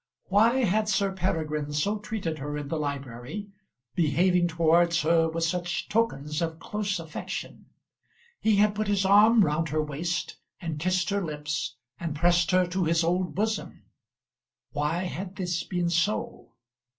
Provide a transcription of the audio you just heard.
Why had Sir Peregrine so treated her in the library, behaving towards her with such tokens of close affection? He had put his arm round her waist and kissed her lips and pressed her to his old bosom. Why had this been so?